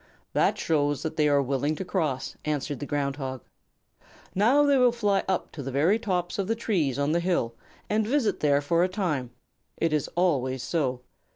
"That shows that they are willing to cross," answered the Ground Hog. "Now they will fly up to the very tops of the trees on the hill and visit there for a time. It is always so.